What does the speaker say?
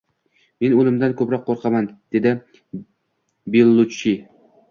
Men o‘limdan ko‘proq qo‘rqaman”, – deydi Belluchchi